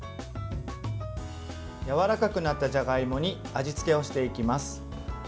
やわらかくなったじゃがいもに味付けをしていきます。